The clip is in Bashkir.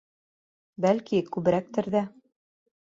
Бәлки, күберәктер ҙә.